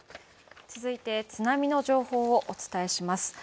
続いて津波の情報をお伝えします。